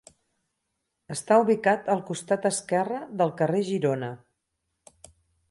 Està ubicat al costat esquerre del carrer Girona.